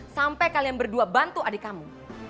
sampai kalian berdua bantu adik kamu